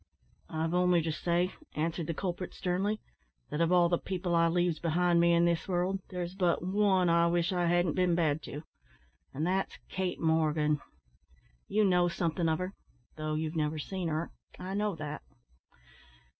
"I've only to say," answered the culprit, sternly, "that of all the people I leaves behind me in this world there's but one I wish I hadn't bin bad to, and that's Kate Morgan. You know something of her, though you've never seen her I know that.